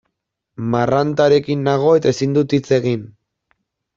Marrantarekin nago eta ezin dut hitz egin.